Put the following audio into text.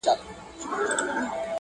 هغه غزلخُمارې ته ولاړه ده حيرانه,